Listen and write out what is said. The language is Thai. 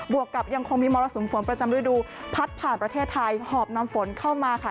วกกับยังคงมีมรสุมฝนประจำฤดูพัดผ่านประเทศไทยหอบนำฝนเข้ามาค่ะ